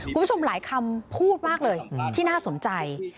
คุณผู้ชมหลายคำพูดมากเลยที่น่าสนใจ